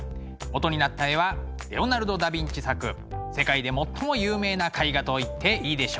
元になった絵はレオナルド・ダ・ヴィンチ作世界で最も有名な絵画と言っていいでしょう「モナ・リザ」です。